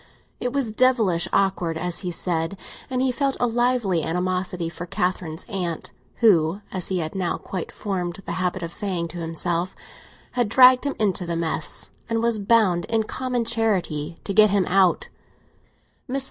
It was devilish awkward, as he said, and he felt a lively animosity for Catherine's aunt, who, as he had now quite formed the habit of saying to himself, had dragged him into the mess and was bound in common charity to get him out of it. Mrs.